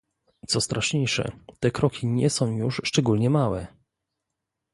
Co straszniejsze, te kroki nie są już szczególnie małe